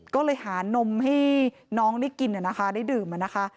ก็เลยหานมให้น้องได้กินนะคะได้ดื่มนะคะ